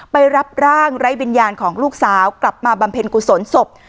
ไปรับร่างไร้วิญญาณของลูกสาวกลับมาบำเพ็ญกุศลศพ